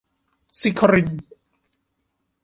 ศิครินทร์